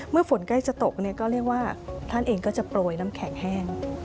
ฝนใกล้จะตกเนี่ยก็เรียกว่าท่านเองก็จะโปรยน้ำแข็งแห้ง